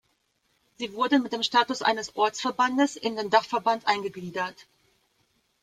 Sie wurden mit dem Status eines Ortsverbandes in den Dachverband eingegliedert.